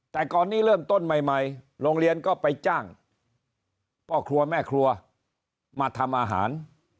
แต่ก่อนนี้เริ่มต้นใหม่โรงเรียนก็ไปจ้างพ่อครัวแม่ครัวมาทำอาหาร